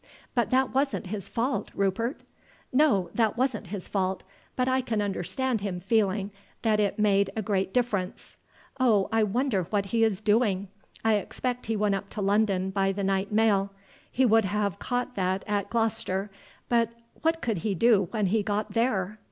"But that wasn't his fault, Rupert." "No, that wasn't his fault; but I can understand him feeling that it made a great difference. Oh, I wonder what he is doing! I expect he went up to London by the night mail; he would have caught that at Glo'ster. But what could he do when he got there?"